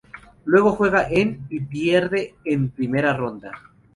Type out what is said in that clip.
Luego juega en y pierde en primera ronda.